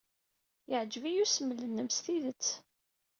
Yeɛjeb-iyi usmel-nnem s tidet.